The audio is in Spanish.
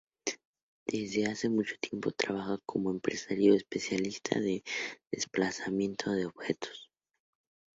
Desde hace mucho tiempo trabaja como empresario especialista de desplazamiento de objetos.